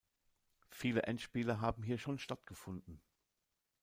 Viele Endspiele haben hier schon stattgefunden.